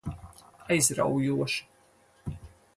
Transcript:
Aizraujoši.